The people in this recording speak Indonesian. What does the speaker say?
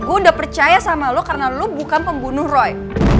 aku udah percaya sama lo karena lu bukan pembunuh roy